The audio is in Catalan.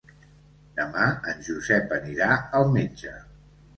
Demà en Josep anirà al metge.